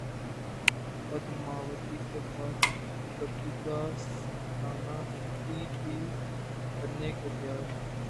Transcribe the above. پدماوتی کے بعد دپیکا سپننا دی دی بننے کو تیار